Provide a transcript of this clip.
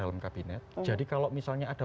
dalam kabinet jadi kalau misalnya ada